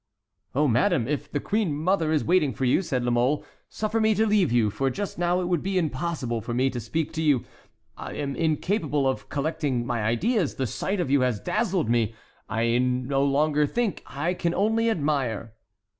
"Oh, madame, if the queen mother is waiting for you," said La Mole, "suffer me to leave you, for just now it would be impossible for me to speak to you. I am incapable of collecting my ideas. The sight of you has dazzled me. I no longer think, I can only admire."